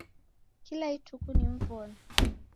Kila ituku ni mvono